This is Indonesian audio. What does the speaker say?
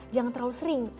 jangan terlalu sering